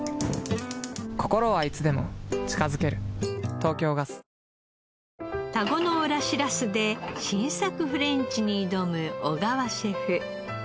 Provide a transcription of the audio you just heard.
東京ガスグループ田子の浦しらすで新作フレンチに挑む小川シェフ。